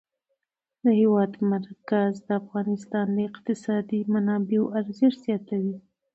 د هېواد مرکز د افغانستان د اقتصادي منابعو ارزښت زیاتوي.